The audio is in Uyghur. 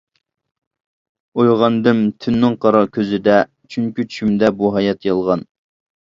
ئويغاندىم تۈننىڭ قارا كۆزىدە چۈنكى چۈشۈمدە بۇ ھايات يالغان.